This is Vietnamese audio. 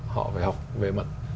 họ phải học về mặt